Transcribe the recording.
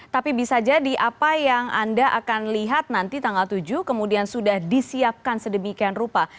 tapi bisa jadi apa yang anda akan lihat nanti tanggal tujuh kemudian sudah disiapkan sedemikian rupa